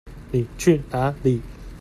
妳去哪裡？